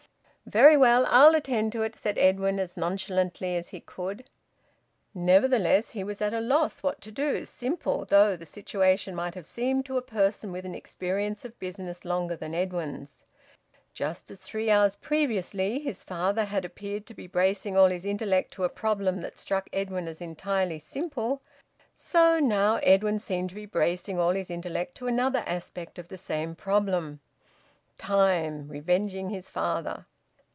"Very well. I'll attend to it," said Edwin, as nonchalantly as he could. Nevertheless he was at a loss what to do, simple though the situation might have seemed to a person with an experience of business longer than Edwin's. Just as three hours previously his father had appeared to be bracing all his intellect to a problem that struck Edwin as entirely simple, so now Edwin seemed to be bracing all his intellect to another aspect of the same problem. Time, revenging his father!